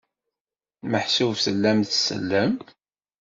Meḥsub tellam tsellem?